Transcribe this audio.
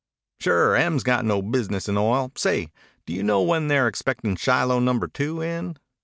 "Sure. Em's got no business in oil. Say, do you know when they're expectin' Shiloh Number Two in?"